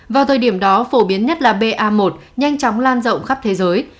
vào thời điểm đó phổ biến nhất là ba một nhanh chóng lan rộng khắp thế giới